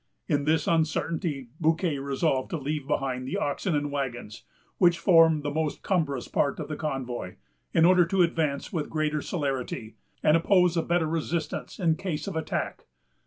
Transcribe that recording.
In this uncertainty, Bouquet resolved to leave behind the oxen and wagons, which formed the most cumbrous part of the convoy, in order to advance with greater celerity, and oppose a better resistance in case of attack.